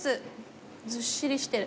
ずっしりしてる。